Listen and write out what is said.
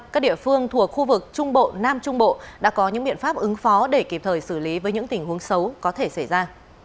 các địa phương thuộc khu vực trung bộ nam trung bộ đã có những biện pháp ứng phó để kịp thời xử lý với những tình huống xấu có thể xảy ra